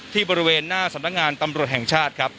บริเวณหน้าสำนักงานตำรวจแห่งชาติครับ